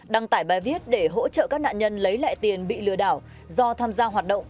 đăng tải bài viết để hỗ trợ các nạn nhân lấy lại tiền bị lừa đảo do tham gia hoạt động